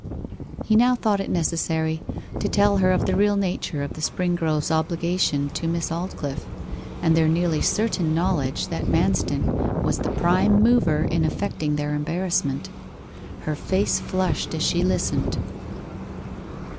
He now thought it necessary to tell her of the real nature of the Springroves' obligation to Miss Aldclyffe and their nearly certain knowledge that Manston was the prime mover in effecting their embarrassment. Her face flushed as she listened.